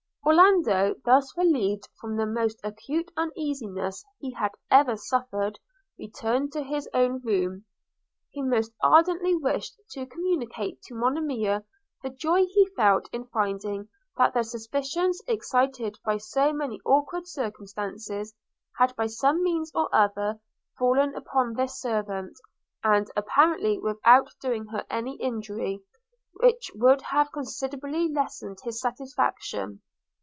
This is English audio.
Orlando, thus relieved from the most acute uneasiness he had ever suffered, returned to his room. He most ardently wished to communicate to Monimia the joy he felt in finding that the suspicions excited by so many awkward circumstances, had by some means or other fallen upon this servant; and apparently without doing her any injury, which would have considerably lessened his satisfaction.